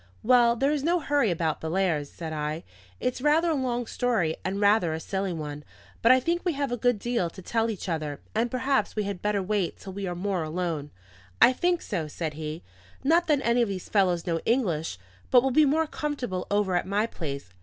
"Well, there is no hurry about Bellairs," said I. "It's rather a long story and rather a silly one. But I think we have a good deal to tell each other, and perhaps we had better wait till we are more alone." "I think so," said he. "Not that any of these fellows know English, but we'll be more comfortable over at my place.